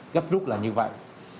cấp rút là như vậy